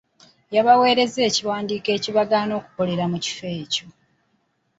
Yabaweereza ekiwandiiko ekibagaana okukolera mu kifo ekyo.